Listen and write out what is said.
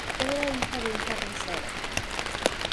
Era hija de un carnicero.